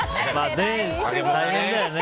大変だよね。